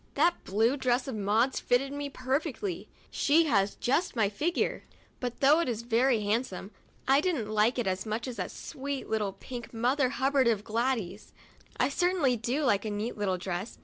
That blue dress of Maud's fitted me perfectly; she has just my figure ; but though it was very handsome, I didn't like it as much as that sweet little pink Mother Hubbard of Gladys's. I certainly do like a neat little dress.